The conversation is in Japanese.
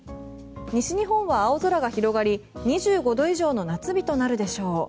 西日本は青空が広がり２５度以上の夏日となるでしょう。